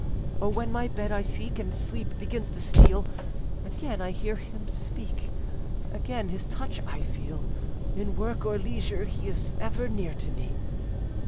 Or when my bed I seek, And sleep begins to steal, Again I hear him speak, Again his touch I feel; In work or leisure, he Is ever near to me.